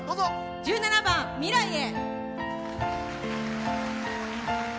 １７番「未来へ」。